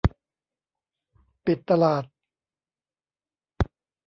ปิดตลาด